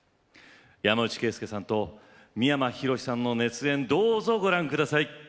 山内惠介さんと三山ひろしさんの熱演どうぞご覧下さい！